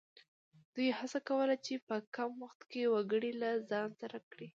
دوی هڅه کوله چې په کم وخت کې وګړي له ځان سره کړي.